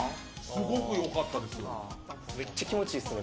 すごくよかったですよ。